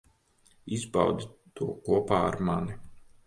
Izbaudi to kopā ar mani.